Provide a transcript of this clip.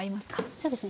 そうですね。